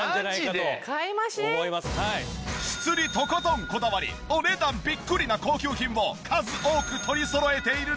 質にとことんこだわりお値段ビックリな高級品を数多く取りそろえている西川。